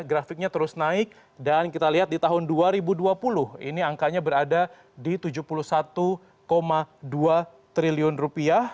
grafiknya terus naik dan kita lihat di tahun dua ribu dua puluh ini angkanya berada di tujuh puluh satu dua triliun rupiah